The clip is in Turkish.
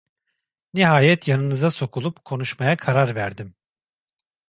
Nihayet yanınıza sokulup konuşmaya karar verdim.